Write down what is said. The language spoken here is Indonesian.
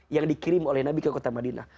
yang dikirim oleh nabi ke kota madinah